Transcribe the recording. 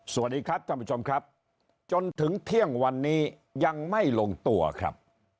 สวัสดีครับท่านผู้ชมครับจนถึงเที่ยงวันนี้ยังไม่ลงตัวครับ